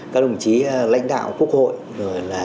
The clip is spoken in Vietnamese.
các đồng chí lãnh đạo quốc hội